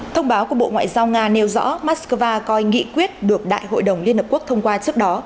thông báo của bộ ngoại giao nga nêu rõ moscow coi nghị quyết được đại hội đồng liên hợp quốc thông qua trước đó